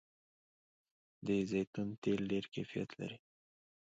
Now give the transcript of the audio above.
د زیتون تېل ډیر کیفیت لري.